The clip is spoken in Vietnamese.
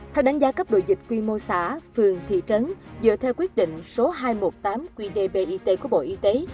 theo đánh giá cấp độ dịch quy mô xã phường thị trấn dựa theo quyết định số hai trăm một mươi tám qdbit của bộ y tế